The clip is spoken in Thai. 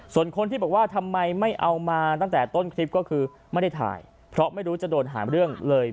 ส่วนคนที่บอกว่าทำไมไม่เอามาตั้งแต่ต้นคลิปก็คือไม่ได้ถ่ายเพราะไม่รู้จะโดนหาเรื่องเลย